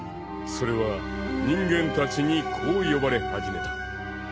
［それは人間たちにこう呼ばれ始めた］